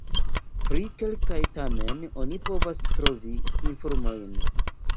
Pri kelkaj tamen oni povas trovi informojn.